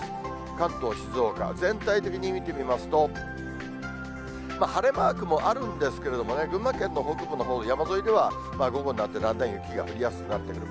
関東、静岡、全体的に見てみますと、晴れマークもあるんですけれどもね、群馬県の北部のほうで、山沿いでは午後になってだんだん雪が降りやすくなってくる。